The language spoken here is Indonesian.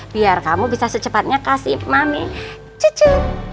biar kamu bisa secepatnya kasih mami cucu